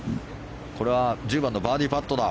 これは１０番のバーディーパットだ。